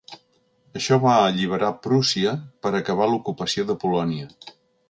Això va alliberar Prússia per acabar l'ocupació de Polònia.